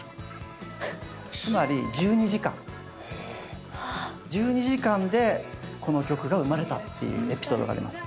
つまり１２時間１２時間でこの曲が生まれたっていうエピソードがあります。